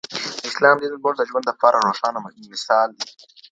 د اسلام دین زموږ د ژوند دپاره روښانه مشال دی.